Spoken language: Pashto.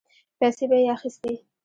پيسې به يې اخيستې.